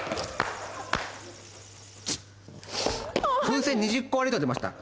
風船２０個割りと出ました